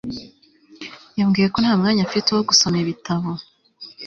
Yambwiye ko nta mwanya afite wo gusoma ibitabo